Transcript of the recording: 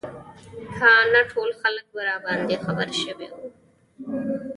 که نه ټول خلک به راباندې خبر شوي وو.